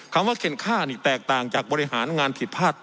คำว่าเข็นค่านี่แตกต่างจากบริหารงานผิดพลาด